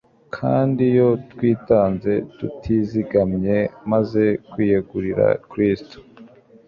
Kandi iyo twitanze tutizigamye, maze kwiyegurira Kristo,